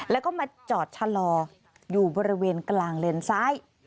แล้วก็มาจอดชะลออยู่บริเวณกลางเลนซ้าย